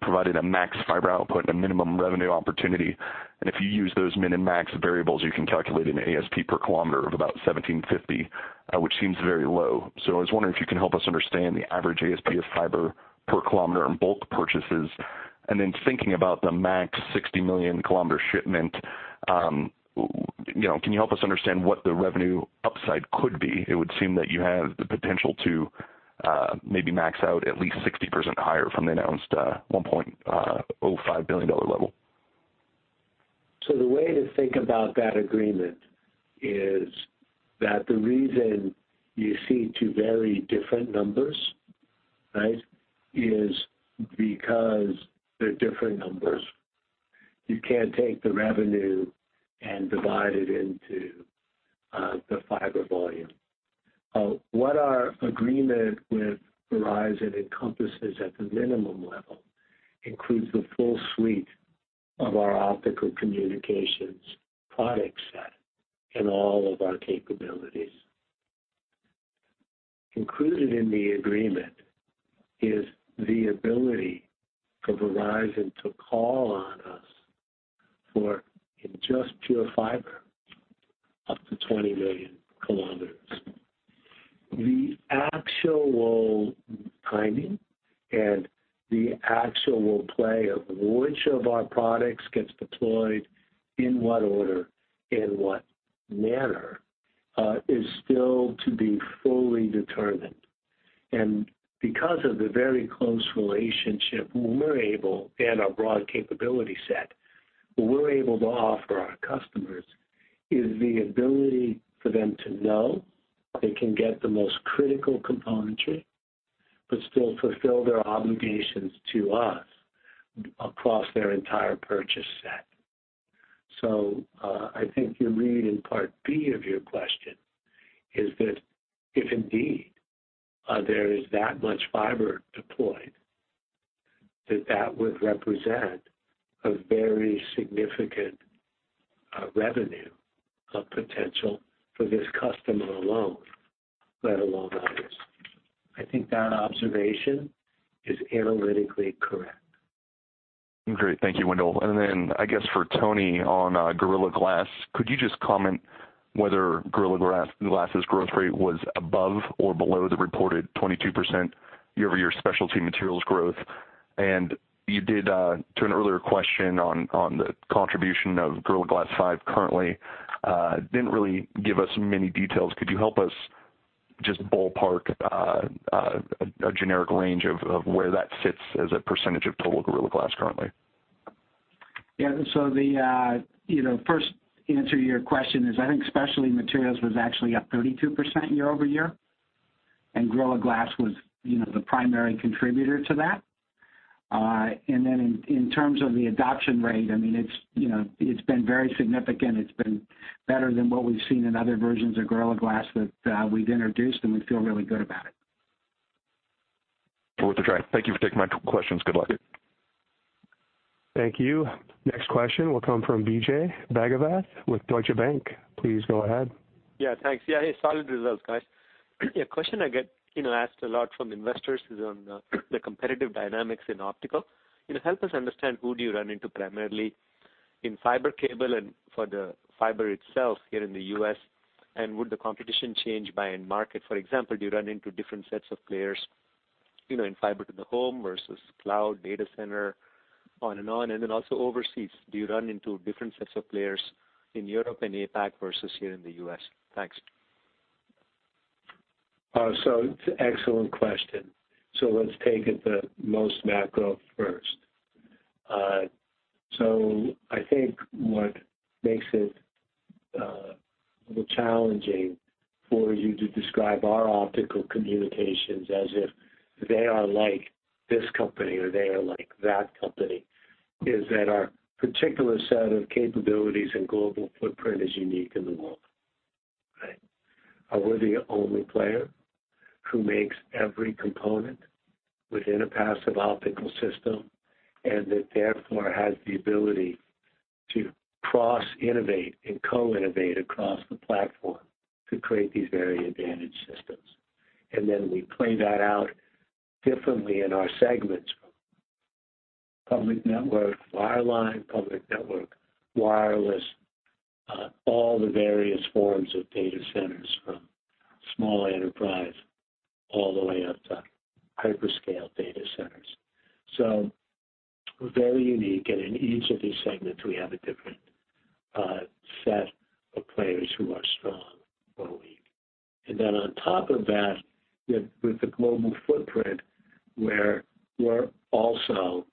provided a max fiber output and a minimum revenue opportunity. If you use those min and max variables, you can calculate an ASP per kilometer of about 1,750, which seems very low. I was wondering if you can help us understand the average ASP of fiber per kilometer in bulk purchases. Thinking about the max 60 million kilometer shipment, can you help us understand what the revenue upside could be? It would seem that you have the potential to maybe max out at least 60% higher from the announced $1.05 billion level. The way to think about that agreement is that the reason you see two very different numbers, right, is because they are different numbers. You cannot take the revenue and divide it into the fiber volume. What our agreement with Verizon encompasses at the minimum level includes the full suite of our optical communications product set and all of our capabilities. Included in the agreement is the ability for Verizon to call on us for, in just pure fiber, up to 20 million kilometers. The actual timing and the actual play of which of our products gets deployed in what order, in what manner, is still to be fully determined. Because of the very close relationship, and our broad capability set, what we are able to offer our customers is the ability for them to know they can get the most critical componentry, but still fulfill their obligations to us across their entire purchase set. I think you read in part B of your question, is that if indeed there is that much fiber deployed, that that would represent a very significant revenue potential for this customer alone, let alone others. I think that observation is analytically correct. Great. Thank you, Wendell. I guess for Tony on Gorilla Glass, could you just comment whether Gorilla Glass's growth rate was above or below the reported 22% year-over-year Specialty Materials growth? You did, to an earlier question on the contribution of Gorilla Glass 5 currently, did not really give us many details. Could you help us just ballpark a generic range of where that sits as a percentage of total Gorilla Glass currently? Yeah. The first answer to your question is I think Specialty Materials was actually up 32% year-over-year, and Gorilla Glass was the primary contributor to that. In terms of the adoption rate, it has been very significant. It has been better than what we have seen in other versions of Gorilla Glass that we have introduced, and we feel really good about it. Worth a try. Thank you for taking my questions. Good luck. Thank you. Next question will come from Vijay Bhagavath with Deutsche Bank. Please go ahead. Thanks. Solid results, guys. A question I get asked a lot from investors is on the competitive dynamics in optical. Help us understand who do you run into primarily in fiber cable and for the fiber itself here in the U.S., and would the competition change by end market? For example, do you run into different sets of players in fiber to the home versus cloud data center, on and on. Also overseas, do you run into different sets of players in Europe and APAC versus here in the U.S.? Thanks. It's an excellent question. Let's take it the most macro first. I think what makes it a little challenging for you to describe our optical communications as if they are like this company or they are like that company, is that our particular set of capabilities and global footprint is unique in the world. Right. We're the only player who makes every component within a passive optical system, and that therefore has the ability to cross-innovate and co-innovate across the platform to create these very advantage systems. We play that out differently in our segments from public network wireline, public network wireless, all the various forms of data centers from small enterprise all the way up to hyperscale data centers. We're very unique, and in each of these segments, we have a different set of players who are strong or weak. On top of that, with the global footprint, where we're also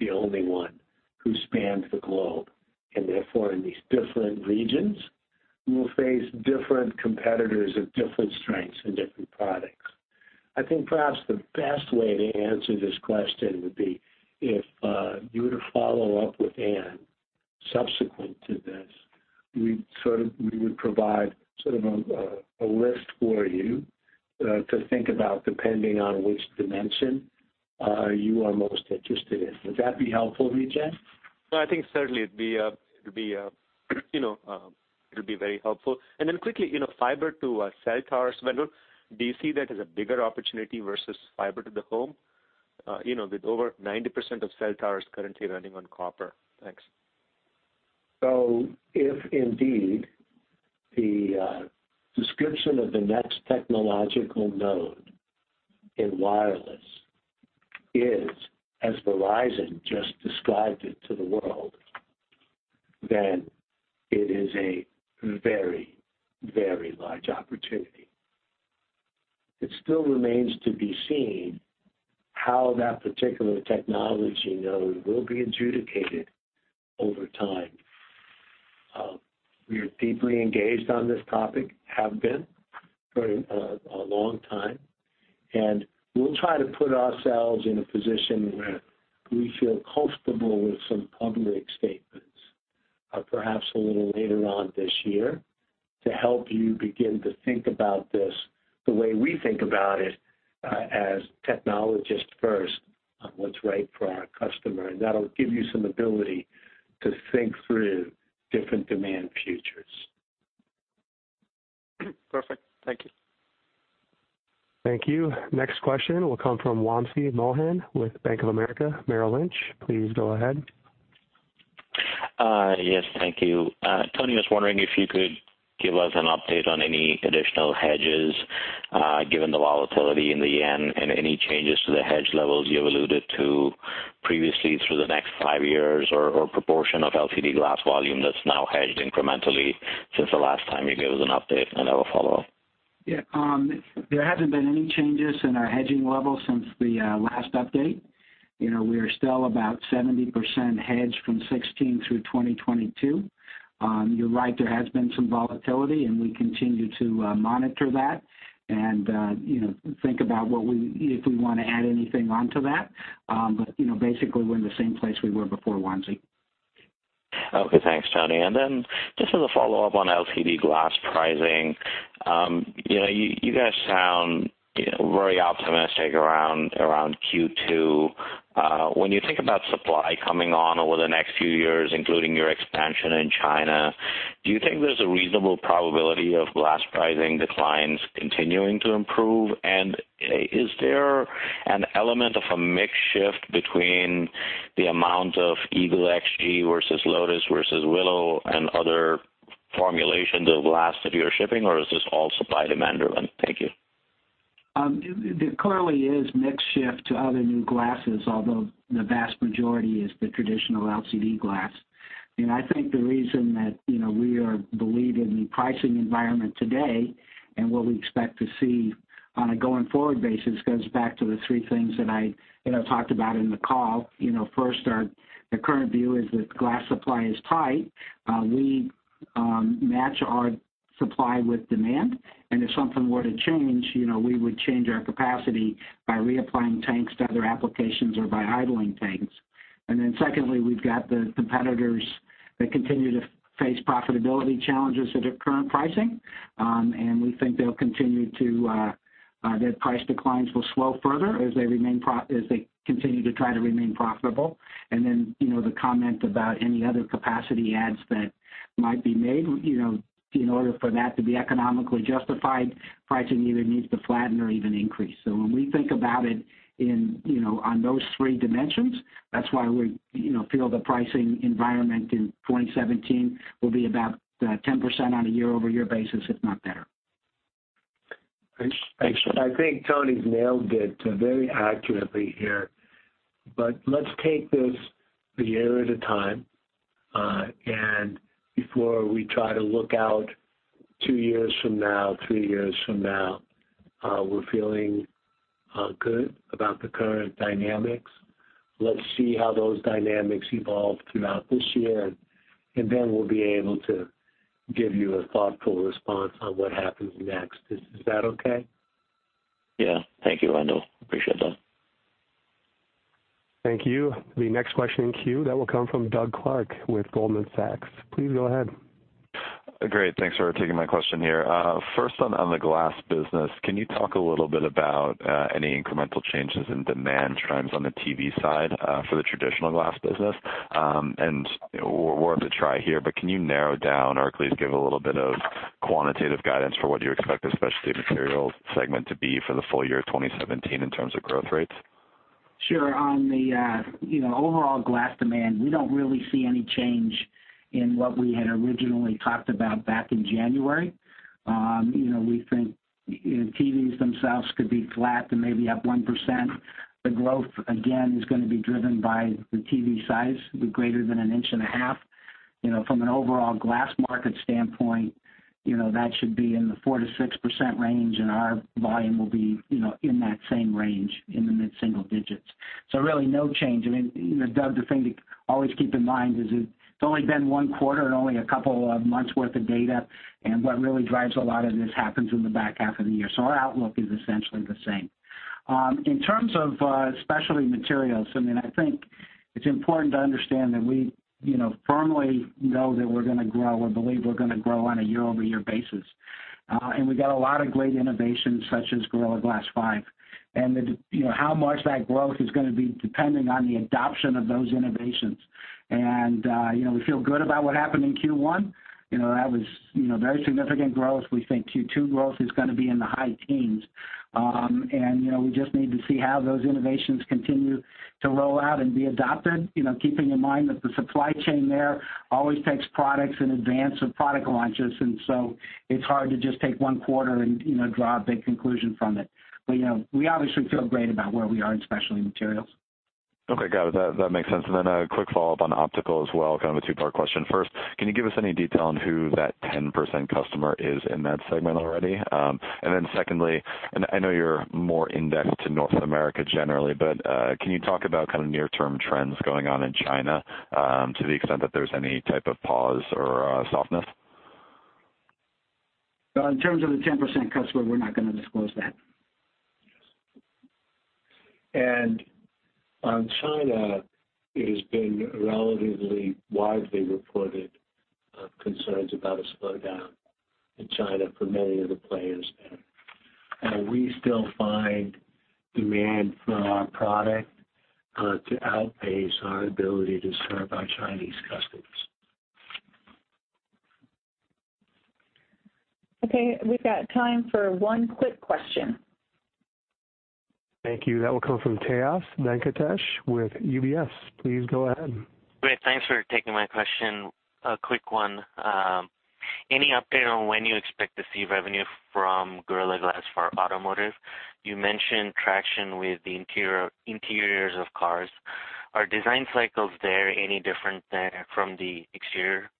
the only one who spans the globe, and therefore in these different regions, we will face different competitors of different strengths and different products. I think perhaps the best way to answer this question would be if you were to follow up with Ann subsequent to this, we would provide sort of a list for you to think about depending on which dimension you are most interested in. Would that be helpful, Vijay? No, I think certainly it'd be very helpful. Quickly, fiber to cell towers, Wendell, do you see that as a bigger opportunity versus fiber to the home? With over 90% of cell towers currently running on copper. Thanks. If indeed the description of the next technological node in wireless is, as Verizon just described it to the world, then it is a very, very large opportunity. It still remains to be seen how that particular technology node will be adjudicated over time. We are deeply engaged on this topic, have been for a long time, and we'll try to put ourselves in a position where we feel comfortable with some public statements, perhaps a little later on this year, to help you begin to think about this the way we think about it as technologists first on what's right for our customer. That'll give you some ability to think through different demand futures. Perfect. Thank you. Thank you. Next question will come from Wamsi Mohan with Bank of America Merrill Lynch. Please go ahead. Yes, thank you. Tony, I was wondering if you could give us an update on any additional hedges, given the volatility in the yen, any changes to the hedge levels you alluded to Previously through the next five years or proportion of LCD glass volume that's now hedged incrementally since the last time you gave us an update. I have a follow-up. Yeah. There hasn't been any changes in our hedging level since the last update. We are still about 70% hedged from 2016 through 2022. You're right, there has been some volatility, and we continue to monitor that and think about if we want to add anything onto that. Basically, we're in the same place we were before, Wamsi. Okay. Thanks, Tony. Then just as a follow-up on LCD glass pricing, you guys sound very optimistic around Q2. When you think about supply coming on over the next few years, including your expansion in China, do you think there's a reasonable probability of glass pricing declines continuing to improve? Is there an element of a mix shift between the amount of EAGLE XG versus Lotus versus Willow and other formulations of glass that you are shipping, or is this all supply demand driven? Thank you. There clearly is mix shift to other new glasses, although the vast majority is the traditional LCD glass. I think the reason that we are believing the pricing environment today and what we expect to see on a going forward basis goes back to the three things that I talked about in the call. First, the current view is that glass supply is tight. We match our supply with demand, and if something were to change, we would change our capacity by reapplying tanks to other applications or by idling tanks. Secondly, we've got the competitors that continue to face profitability challenges at their current pricing. We think their price declines will slow further as they continue to try to remain profitable. The comment about any other capacity adds that might be made. In order for that to be economically justified, pricing either needs to flatten or even increase. When we think about it on those three dimensions, that's why we feel the pricing environment in 2017 will be about 10% on a year-over-year basis, if not better. I think Tony's nailed it very accurately here. Let's take this a year at a time. Before we try to look out two years from now, three years from now, we're feeling good about the current dynamics. Let's see how those dynamics evolve throughout this year, and we'll be able to give you a thoughtful response on what happens next. Is that okay? Yeah. Thank you, Wendell. Appreciate that. Thank you. The next question in queue, that will come from Doug Clark with Goldman Sachs. Please go ahead. Great. Thanks for taking my question here. First on the glass business, can you talk a little bit about any incremental changes in demand trends on the TV side for the traditional glass business? Worth a try here, but can you narrow down or at least give a little bit of quantitative guidance for what you expect the Specialty Materials segment to be for the full year 2017 in terms of growth rates? Sure. On the overall glass demand, we don't really see any change in what we had originally talked about back in January. We think TVs themselves could be flat to maybe up 1%. The growth, again, is going to be driven by the TV size, be greater than an inch and a half. From an overall glass market standpoint, that should be in the 4%-6% range, and our volume will be in that same range, in the mid-single digits. Really no change. Doug, the thing to always keep in mind is it's only been one quarter and only a couple of months worth of data, and what really drives a lot of this happens in the back half of the year. Our outlook is essentially the same. In terms of Specialty Materials, I think it's important to understand that we firmly know that we're going to grow or believe we're going to grow on a year-over-year basis. We got a lot of great innovations such as Gorilla Glass 5. How much that growth is going to be depending on the adoption of those innovations. We feel good about what happened in Q1. That was very significant growth. We think Q2 growth is going to be in the high teens. We just need to see how those innovations continue to roll out and be adopted, keeping in mind that the supply chain there always takes products in advance of product launches, and so it's hard to just take one quarter and draw a big conclusion from it. We obviously feel great about where we are in Specialty Materials. Okay, got it. That makes sense. A quick follow-up on optical as well, kind of a two-part question. First, can you give us any detail on who that 10% customer is in that segment already? Secondly, I know you're more indexed to North America generally, but can you talk about near-term trends going on in China to the extent that there's any type of pause or softness? In terms of the 10% customer, we're not going to disclose that. On China, it has been relatively widely reported concerns about a slowdown in China for many of the players there. We still find demand for our product to outpace our ability to serve our Chinese customers. Okay. We've got time for one quick question. Thank you. That will come from Tejas Venkatesh with UBS. Please go ahead. Great. Thanks for taking my question. A quick one. Any update on when you expect to see revenue from Gorilla Glass for automotive? You mentioned traction with the interiors of cars. Are design cycles there any different there from the exterior?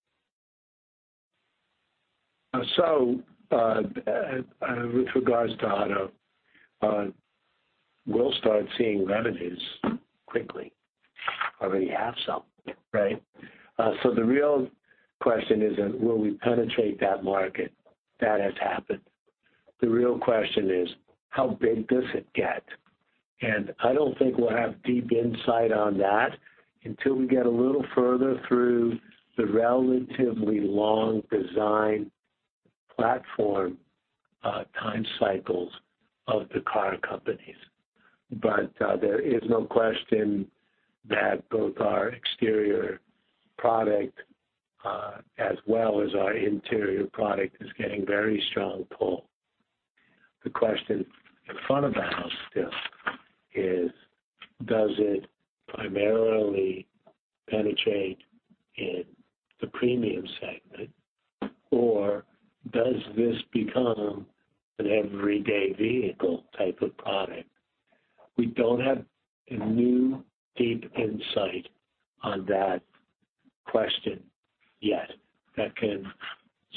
With regards to auto, we'll start seeing revenues quickly. Already have some, right? The real question isn't will we penetrate that market, that has happened. The real question is, how big does it get? I don't think we'll have deep insight on that until we get a little further through the relatively long design platform time cycles of the car companies. There is no question that both our exterior product as well as our interior product is getting very strong pull. The question in front of the house still is, does it primarily penetrate in the premium segment, or does this become an everyday vehicle type of product? We don't have a new deep insight on that question yet that can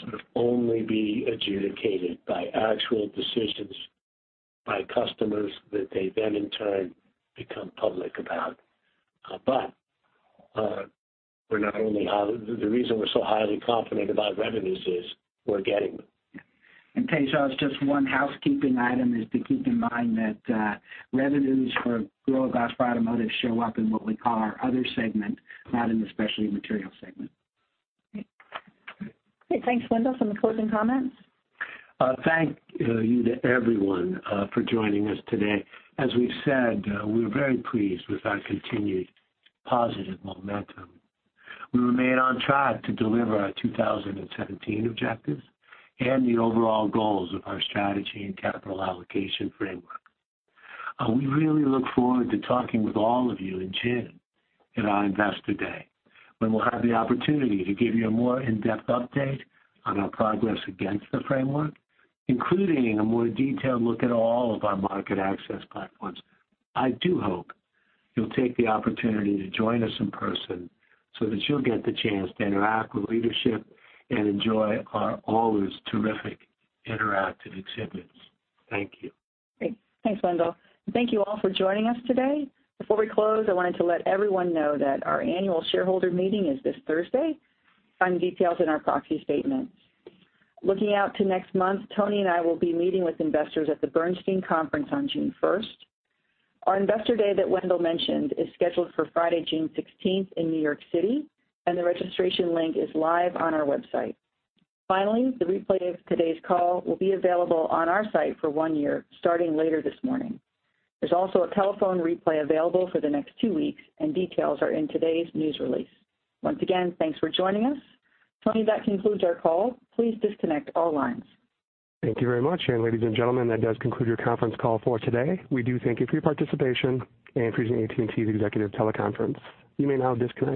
sort of only be adjudicated by actual decisions by customers that they then in turn become public about. The reason we're so highly confident about revenues is we're getting them. Tejas, just one housekeeping item is to keep in mind that revenues for Gorilla Glass for automotive show up in what we call our other segment, not in the Specialty Materials segment. Great. Okay, thanks. Wendell, some closing comments? Thank you to everyone for joining us today. As we've said, we're very pleased with our continued positive momentum. We remain on track to deliver our 2017 objectives and the overall goals of our strategy and capital allocation framework. We really look forward to talking with all of you in June at our Investor Day, when we'll have the opportunity to give you a more in-depth update on our progress against the framework, including a more detailed look at all of our market access platforms. I do hope you'll take the opportunity to join us in person so that you'll get the chance to interact with leadership and enjoy our always terrific interactive exhibits. Thank you. Great. Thanks, Wendell. Thank you all for joining us today. Before we close, I wanted to let everyone know that our annual shareholder meeting is this Thursday. Find details in our proxy statement. Looking out to next month, Tony and I will be meeting with investors at the Bernstein Conference on June 1st. Our Investor Day that Wendell mentioned is scheduled for Friday, June 16th in New York City, and the registration link is live on our website. Finally, the replay of today's call will be available on our site for one year, starting later this morning. There's also a telephone replay available for the next two weeks, and details are in today's news release. Once again, thanks for joining us. Tony, that concludes our call. Please disconnect all lines. Thank you very much. Ladies and gentlemen, that does conclude your conference call for today. We do thank you for your participation in Corning Incorporated's executive teleconference. You may now disconnect.